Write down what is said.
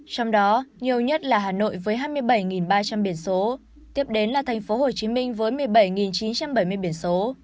trong đó nhiều nhất là hà nội với hai mươi bảy ba trăm linh biển số tiếp đến là thành phố hồ chí minh với một mươi bảy chín trăm bảy mươi biển số